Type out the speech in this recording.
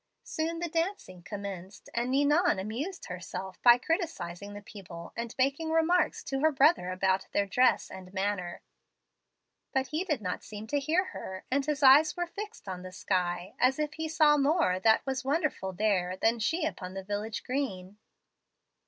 Soon the dancing commenced, and Ninon amused herself by criticising the people and making remarks to her brother about their dress and manner. But he did not seem to hear her, and his eyes were fixed on the sky, as if he saw more that was wonderful there than she upon the village green."